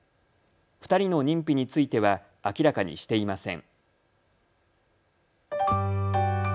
２人の認否については明らかにしていません。